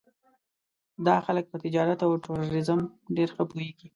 دا خلک په تجارت او ټوریزم ډېر ښه پوهېږي.